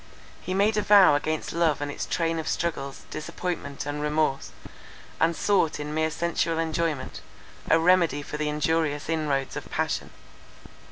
He made a vow against love and its train of struggles, disappointment and remorse, and sought in mere sensual enjoyment, a remedy for the injurious inroads of passion.